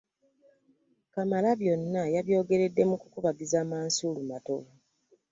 Kamalabyonna yabyogeredde mu kukubagiza Mansul Matovu